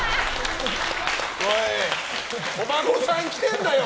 お孫さん来てるんだよ。